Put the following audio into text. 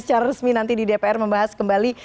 secara resmi nanti di dpr membahas kembali